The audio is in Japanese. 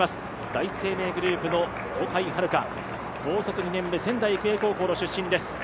第一生命グループの小海遥高卒２年目、仙台育英高校の出身です。